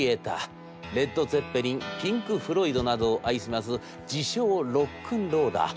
レッド・ツェッペリンピンク・フロイドなどを愛します自称ロックンローラー。